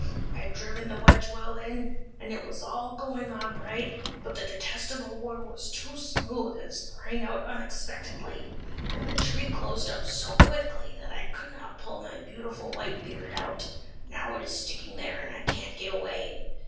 I had driven the wedge well in, and it was all going on right, but the detestable wood was too smooth, and sprang out unexpectedly; and the tree closed up so quickly, that I could not pull my beautiful white beard out; now it is sticking there, and I can't get away.